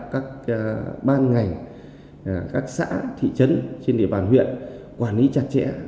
các ban ngành các xã thị trấn trên địa bàn huyện quản lý chặt chẽ